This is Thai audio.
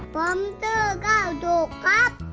ผมชื่อก้าวสุกครับ